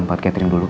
udah ke kamar dulu